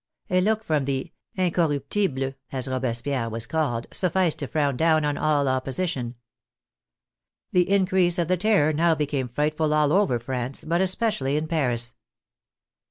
A look from the " Incorruptible " (as Robespierre was called) sufficed to frown down all op position. The increase of the Terror now became frightful all over France, but especially in Paris.